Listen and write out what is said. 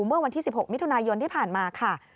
เมื่อวันที่๑๖มิถุนายนที่ผ่านมาค่ะ